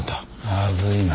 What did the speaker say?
まずいな。